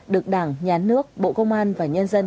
được đảng nhà nước bộ công an và nhân dân